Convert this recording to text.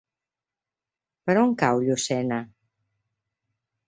Per on cau Llucena?